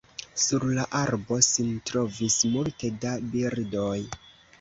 Sur la arbo sin trovis multe da birdoj.